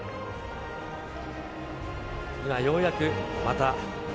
今、ようやく、また。